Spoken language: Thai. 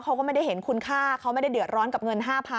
เขาก็ไม่ได้เห็นคุณค่าเขาไม่ได้เดือดร้อนกับเงิน๕๐๐๐